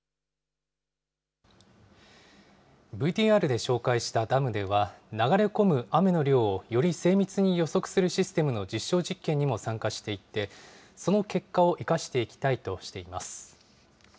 ＶＴＲで紹介したダムでは、流れ込む雨の量をより精密に予測するシステムの実証実験にも参加していて、その結果を生かしていきたいとしています。